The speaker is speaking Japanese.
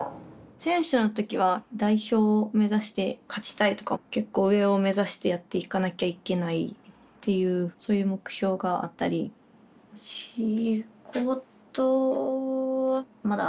選手の時は代表を目指して勝ちたいとか結構上を目指してやっていかなきゃいけないっていうそういう目標があったり仕事はまだ何だろう